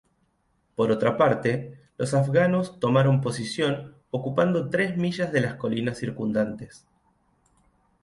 Por otra parte, los afganos tomaron posición ocupando tres millas de las colinas circundantes.